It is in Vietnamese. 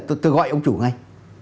tôi gọi ông chủ ngay